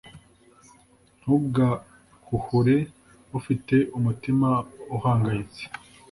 Ntugahuhure ufite umutima uhangayitse,